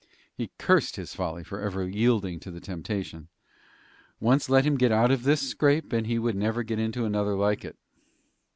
He cursed his folly for ever yielding to the temptation. Once let him get out of this scrape, and he would never get into another like it.